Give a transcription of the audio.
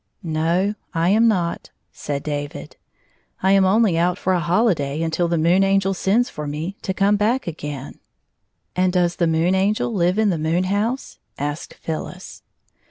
"No; I am not," said David. "I am only out for a holiday until the Moon Angel sends for me to come back again." 86 " And does the Moon Angel live in the moon house ?" asked Phyllis.